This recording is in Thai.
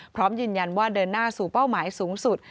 พร้อมยืนยันว่าเดินหน้าสู่เป้าหมายสูงสุด